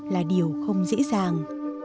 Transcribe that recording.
là điều không dễ dàng